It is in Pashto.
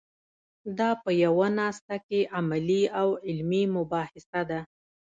دا په یوه ناسته کې عملي او علمي مباحثه ده.